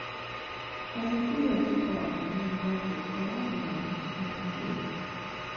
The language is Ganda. Omupiira si gwa kunyumirwa kwokka wabula ne ssente.